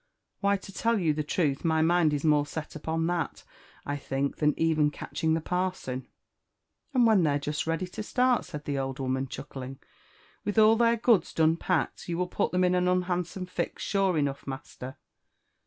" Why, to tell you the truth, my mind is more' set upon Chat, I think, than even catching the parson." "And when they're jest ready to start," said the old woman, chuckling, "trilh all their goods done packed, you will put them in an unhandsome fix, sure enough, master."